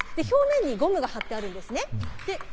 表面にゴムが貼ってあるんですね。